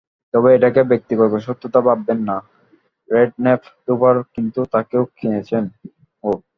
তবে এটাকে ব্যক্তিগত শত্রুতা ভাববেন না, রেডন্যাপ দুবার কিন্তু তাঁকে কিনেছেনও।